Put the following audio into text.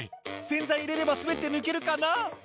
「洗剤入れれば滑って抜けるかな？」